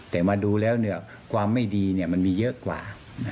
แต่มาดูแล้วเนี่ยความไม่ดีเนี่ยมันมีเยอะกว่า